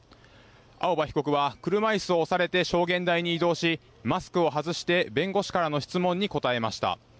青葉被告は車いすを押されて証言台に移動しマスクを外して弁護士からの質問に答えました。